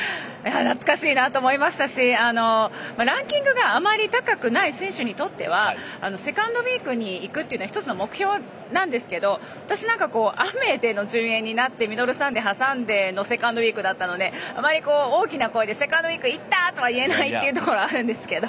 懐かしいなと思いましたしランキングがあまり高くない選手にとってはセカンドウイークにいくのは１つの目標なんですが私は雨での順延になってミドルサンデーを挟んでのセカンドウイークだったのであまり大きな声でセカンドウイークいったとは言えないっていうところがあるんですけど。